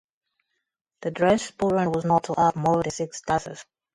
The dress sporran was not to have more than six tassels.